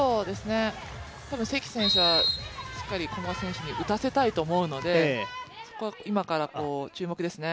多分、関選手はしっかり古賀選手に打たせたいと思うのでそこは今から注目ですね。